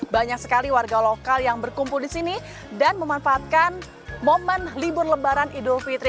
banyak sekali warga lokal yang berkumpul di sini dan memanfaatkan momen libur lebaran idul fitri